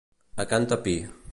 A can Tapí.